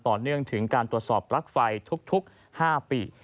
ต่อเนื่องถึงการตรวจสอบลักษณ์ไฟทุก๕ปี